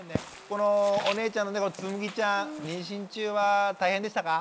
このお姉ちゃんのつむぎちゃん妊娠中は大変でしたか？